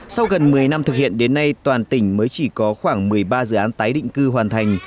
sau gần một mươi năm thực hiện đến nay toàn tỉnh mới chỉ có khoảng một mươi ba dự án tái định cư hoàn thành